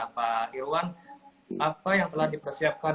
pak irwan apa yang telah dipersiapkan